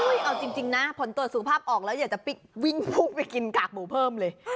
เอาจริงนะผลตรวจสุขภาพออกแล้วอยากจะวิ่งพุ่งไปกินกากหมูเพิ่มเลย